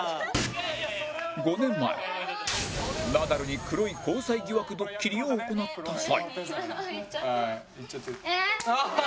５年前ナダルに黒い交際疑惑ドッキリを行った際